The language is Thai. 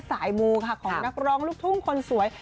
สายมู้วของนักร้องลูกทุ่มคนสวย